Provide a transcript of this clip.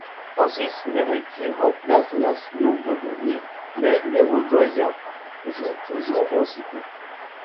Francis Smerecki remplace Laszlo Bölöni mais l'Uruguayen joue toujours aussi peu.